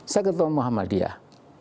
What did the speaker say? saya ketua muhammadiyah